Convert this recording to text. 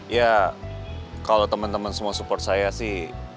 ya kalo temen temen semua support saya sih